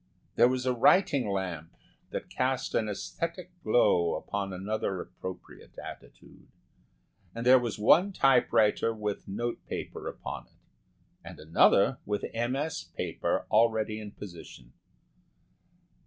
There was a writing lamp that cast an æsthetic glow upon another appropriate attitude and there was one typewriter with note paper upon it, and another with MS. paper already in position.